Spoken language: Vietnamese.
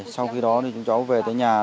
sau khi đó thì chúng cháu về tới nhà